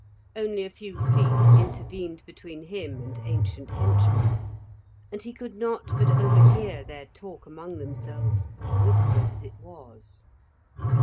Only a few feet intervened between him and ancient henchmen; and he could not but overhear their talk among themselves, whispered as it was.